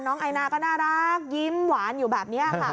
ไอนาก็น่ารักยิ้มหวานอยู่แบบนี้ค่ะ